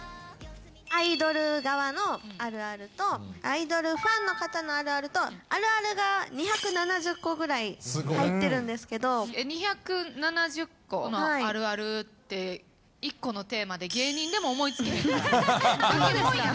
アイドル側のあるあると、アイドルファンの方のあるあると、あるあるが２７０個ぐらい入って２７０個のあるあるって、１個のテーマで芸人でも思いつけへんから。